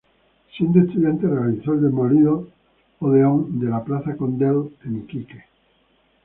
Siendo estudiante realizó el demolido Odeón de la Plaza Condell en Iquique.